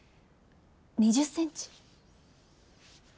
２０センチ。